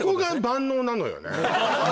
万能なのよ